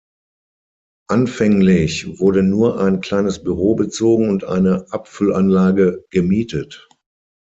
Anfänglich wurde nur ein kleines Büro bezogen und eine Abfüllanlage gemietet.